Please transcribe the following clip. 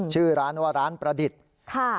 ชื่อร้านว่าร้านประดิษฐ์ค่ะ